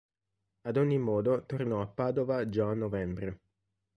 Ad ogni modo tornò a Padova già a novembre.